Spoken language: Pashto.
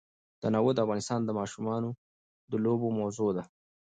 تنوع د افغان ماشومانو د لوبو موضوع ده.